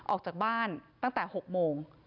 ออกจากบ้านตั้งแต่๖โมง